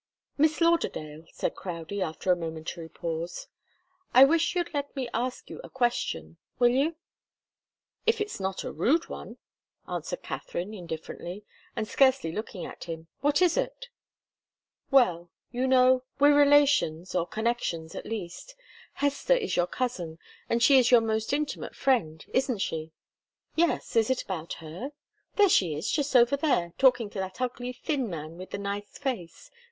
"Miss Lauderdale," said Crowdie, after a momentary pause, "I wish you'd let me ask you a question. Will you?" "If it's not a rude one," answered Katharine, indifferently, and scarcely looking at him. "What is it?" "Well you know we're relations, or connections, at least. Hester is your cousin, and she's your most intimate friend. Isn't she?" "Yes. Is it about her? There she is, just over there talking to that ugly, thin man with the nice face.